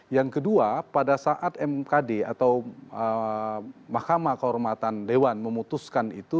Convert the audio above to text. yang kedua pada saat mkd atau mahkamah kehormatan dewan memutuskan itu